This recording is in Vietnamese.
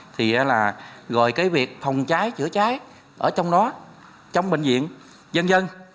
thì gọi việc phòng trái chữa trái ở trong đó trong bệnh viện dân dân